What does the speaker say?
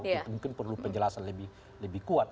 itu mungkin perlu penjelasan lebih kuat